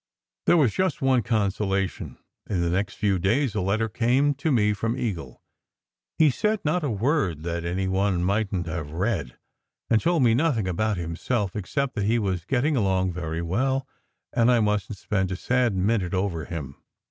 There was just one consolation in the next few days: a letter that came to me from Eagle. He said not a word that any one mightn t have read, and told me nothing about himself, except that he was "getting along very well" and I mustn t spend a sad minute over him.